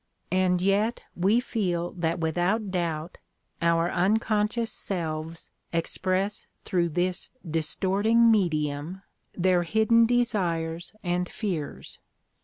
And yet we feel that without doubt our unconscious selves express through this distorting medium their hidden desires and fears.